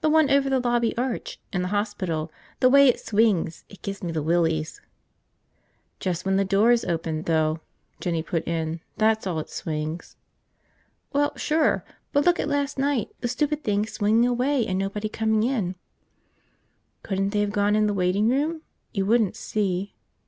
"The one over the lobby arch. In the hospital. The way it swings, it gives me the willies." "Just when the door is open, though," Jinny put in. "That's all it swings." "Well, sure. But look at last night, the stupid thing swinging away and nobody coming in." "Couldn't they of gone in the waiting room? You wouldn't see."